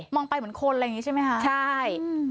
องไปเหมือนคนอะไรอย่างนี้ใช่ไหมคะใช่